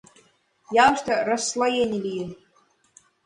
Ялыште «расслоений» лийын.